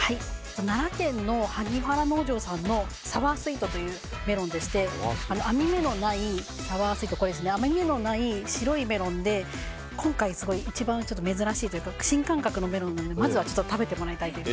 奈良県の萩原農場さんのサワースウィートというメロンでして網目のない白いメロンで今回、一番珍しいというか新感覚のメロンなのでまずは食べてもらいたいです。